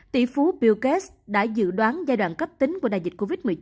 tỷ phú bill cast đã dự đoán giai đoạn cấp tính của đại dịch covid một mươi chín